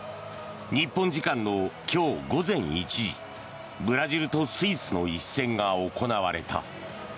日本時間の今日午前１時ブラジルとスイスの一戦が行われた。